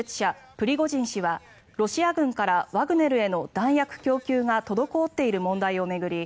プリゴジン氏はロシア軍からワグネルへの弾薬供給が滞っている問題を巡り